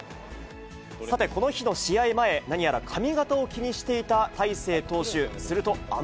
さて、この日の試合前、何やら髪形を気にしていた大勢投手。